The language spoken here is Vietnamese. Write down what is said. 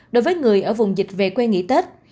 đối với người ở vùng dịch về quê nghỉ tết